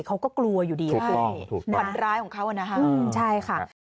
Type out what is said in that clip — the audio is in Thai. เขาก็กลัวอยู่ดีฝันร้ายของเขานะครับ